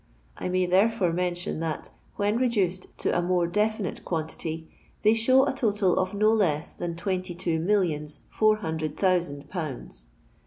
I may therefore mention that, when reduced to a more definite quantity, they show a totil of no less than twenty two millions four hundred thousand pounds.